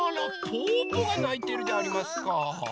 ぽぅぽがないてるでありますか。